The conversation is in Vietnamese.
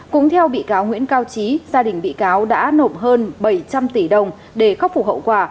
cũng theo bị cáo nguyễn cao trí gia đình bị cáo đã nộp hơn bảy trăm linh tỷ đồng để khắc phục hậu quả